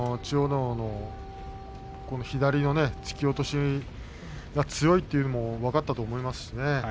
皇の左の突き落としあれが強いというのが分かったと思いますし。